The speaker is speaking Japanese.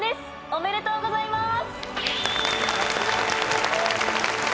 おめでとうございます。